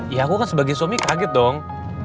ya aku kan sebagai suami kaget dong